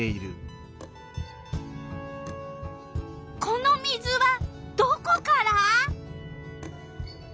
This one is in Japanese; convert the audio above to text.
この水はどこから？